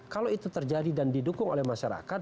kalau itu terjadi dan didukung oleh masyarakat